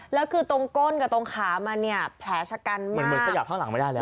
แล้วคือตรงก้นกับตรงขามันเนี่ยแผลชะกันมากเหมือนขยับข้างหลังไม่ได้แล้ว